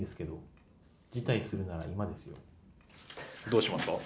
どうしますか？